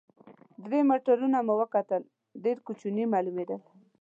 درې موټرونه مو وکتل، ډېر کوچني معلومېدل.